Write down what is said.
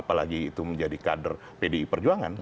apalagi itu menjadi kader pdi perjuangan